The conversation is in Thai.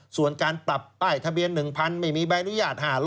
ส่วนการปรับป้ายทะเบียน๑๐๐ไม่มีใบอนุญาต๕๐๐